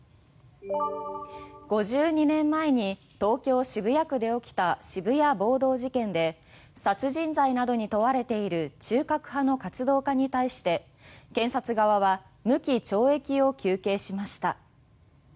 ５２年前に東京・渋谷区で起きた渋谷暴動事件で殺人罪などに問われている中核派の活動家に対して検察側は無期懲役を求刑しました。